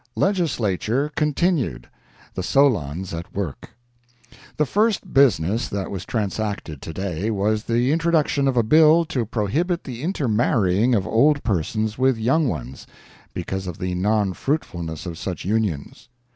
LEGISLATURE CONTINUED—THE SOLONS AT WORK The first business that was transacted to day was the introduction of a bill to prohibit the intermarrying of old persons with young ones, because of the non fruitfulness of such unions.